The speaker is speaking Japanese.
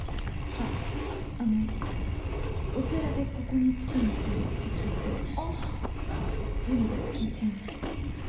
ああのお寺でここに勤めてるって聞いて全部聞いちゃいました。